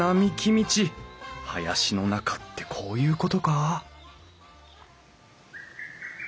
林の中ってこういうことか？